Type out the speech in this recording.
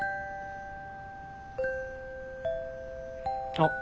あっ！